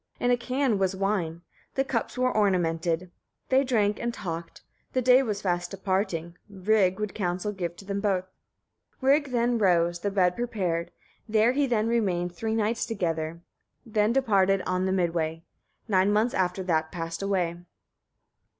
In a can was wine; the cups were ornamented. They drank and talked; the day was fast departing, Rig would counsel give to them both. 30. Rig then rose, the bed prepared; there he then remained three nights together, then departed on the mid way. Nine months after that passed away.